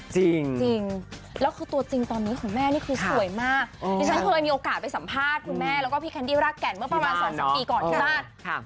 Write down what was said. จริงแล้วคือตัวจริงตอนนี้ของแม่นี่คือสวยมากดิฉันเคยมีโอกาสไปสัมภาษณ์คุณแม่แล้วก็พี่แคนดี้รากแก่นเมื่อประมาณ๒๓ปีก่อนที่บ้าน